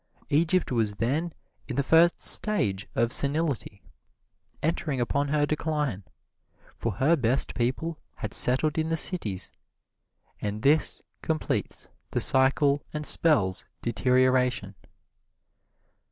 Egypt was then in the first stage of senility, entering upon her decline, for her best people had settled in the cities, and this completes the cycle and spells deterioration.